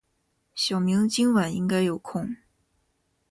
小明今晚应该有空。